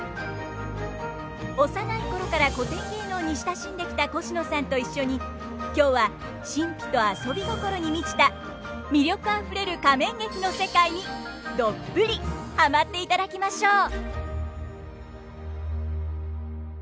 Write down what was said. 幼い頃から古典芸能に親しんできたコシノさんと一緒に今日は神秘と遊び心に満ちた魅力あふれる仮面劇の世界にどっぷりハマっていただきましょう！